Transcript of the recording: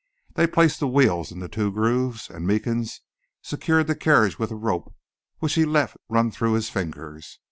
They placed the wheels in the two grooves, and Meekins secured the carriage with a rope which he let run through his fingers.